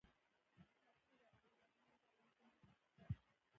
پاچا د عبدالرحمن جامع جومات افتتاح کړ.